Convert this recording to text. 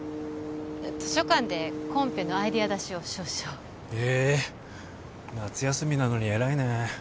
図書館でコンペのアイデア出しを少々へえ夏休みなのに偉いね